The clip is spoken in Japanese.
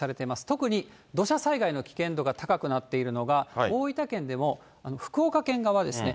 特に土砂災害の危険度が高くなっているのが、大分県でも、福岡県側ですね。